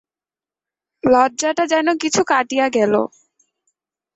লজ্জাটা যেন কিছু কাটিয়া গেল।